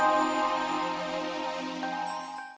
ramai utk kekasih fairy lanyang gini